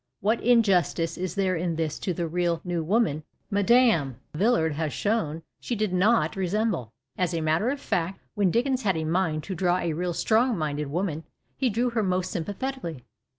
What injustice is there in this to the real " new woman," whom, as Mme. Villard has sho^v^^, she did not resemble ? As a matter of fact, when Dickens had a mind to draw a real " strong minded " woman he drew her most sympathetically.